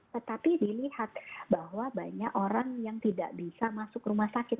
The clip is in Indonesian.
tetapi dilihat bahwa banyak orang yang tidak bisa masuk rumah sakit